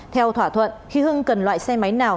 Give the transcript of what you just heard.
theo thỏa thuận khi hưng cần loại xe máy nào